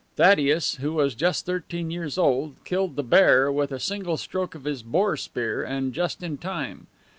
Thaddeus, who was just thirteen years old, killed the bear with a single stroke of his boar spear, and just in time.